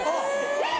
えっ！